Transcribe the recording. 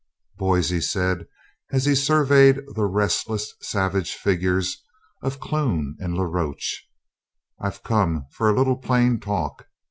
"Boys," he said, and he surveyed the restless, savage figures of Clune and La Roche, "I've come for a little plain talk.